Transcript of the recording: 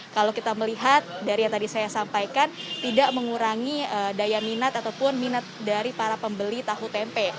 kalau kita melihat dari yang tadi saya sampaikan tidak mengurangi daya minat ataupun minat dari para pembeli tahu tempe